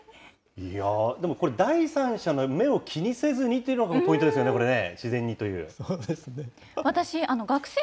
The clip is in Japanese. いやぁ、でもこれ、第三者の目を気にせずにというのがポイントですよね、これね、自然にといそうですね。